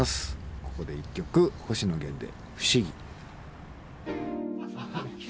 ここで一曲星野源で「不思議」。